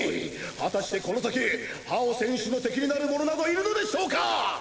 果たしてこの先ハオ選手の敵になる者などいるのでしょうか！？